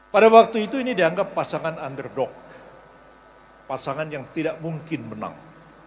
pada waktu itu ini dianggap pasangan underdog pasangan yang tidak mungkin menang